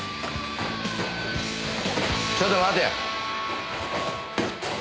ちょっと待てよ。